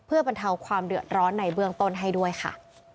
เพื่อบรรเทาความเดือดร้อนในเบื้องต้นให้ด้วยค่ะ